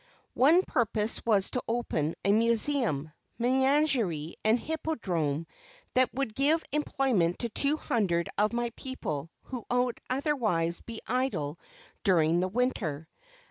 One purpose was to open a Museum, Menagerie and Hippodrome that would give employment to two hundred of my people who otherwise would be idle during the winter.